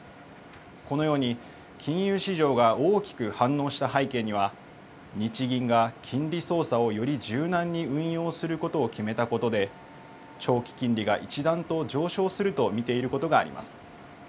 このように、金融市場が大きく反応した背景には、日銀が金利操作をより柔軟に運用することを決めたことで、長期金利が一段と上昇すると見ていることがあります。